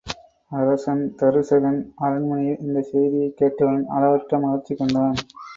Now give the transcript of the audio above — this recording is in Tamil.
அரசன் தருசகன் அரண்மனையில், இந்தச் செய்தியைக் கேட்டவுடன் அளவற்ற மகிழ்ச்சி கொண்டான்.